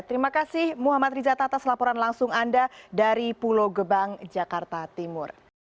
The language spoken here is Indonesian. terima kasih muhammad riza tas laporan langsung anda dari pulau gebang jakarta timur